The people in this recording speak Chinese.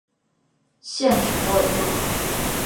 县治多尔顿。